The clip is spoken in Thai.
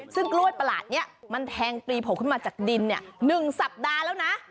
ซึ่งกล้วยประหลาดนี้มันแทงปลีโผล่ขึ้นมาจากดิน๑สัปดาห์แล้วนะ